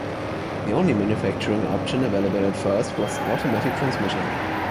The only manufacturing option available at first was automatic transmission.